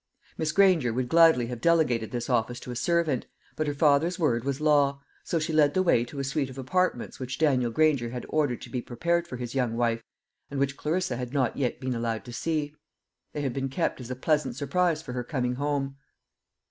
Miss Granger would gladly have delegated this office to a servant; but her father's word was law; so she led the way to a suite of apartments which Daniel Granger had ordered to be prepared for his young wife, and which Clarissa had not yet been allowed to see. They had been kept as a pleasant surprise for her coming home.